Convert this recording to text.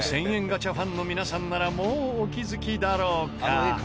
ガチャファンの皆さんならもうお気づきだろうか？